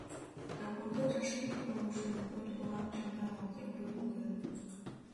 Долбоордо жашыл курулуш өнүгө турган жаңы аймактар бөлүнгөн.